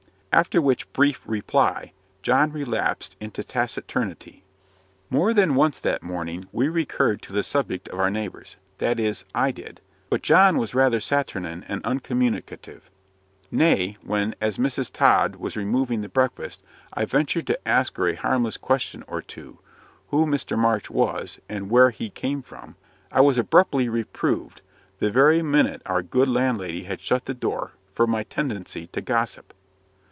After which brief reply John relapsed into taciturnity. More than once that morning we recurred to the subject of our neighbours that is, I did but John was rather saturnine and uncommunicative. Nay, when, as Mrs. Tod was removing the breakfast, I ventured to ask her a harmless question or two who Mr. March was, and where he came from? I was abruptly reproved, the very minute our good landlady had shut the door, for my tendency to "gossip."